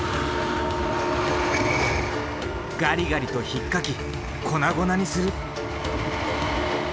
ガリガリとひっかき粉々にする。